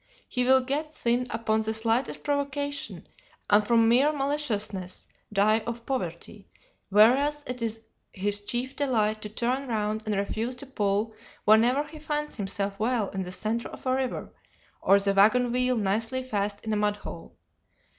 He will get thin upon the slightest provocation, and from mere maliciousness die of 'poverty'; whereas it is his chief delight to turn round and refuse to pull whenever he finds himself well in the centre of a river, or the waggon wheel nicely fast in a mud hole.